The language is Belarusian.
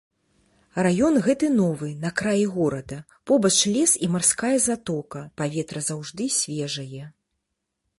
Раён гэты новы, на краі горада, побач лес і марская затока, паветра заўжды свежае.